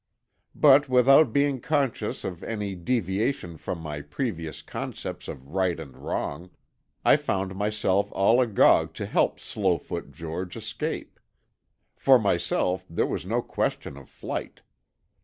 But without being conscious of any deviation from my previous concepts of right and wrong, I found myself all agog to help Slowfoot George escape. For myself, there was no question of flight.